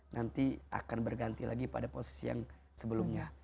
nanti akan berganti lagi pada posisi yang sebelumnya